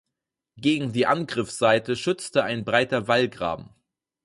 Gegen die Angriffsseite schütze ein breiter Wallgraben.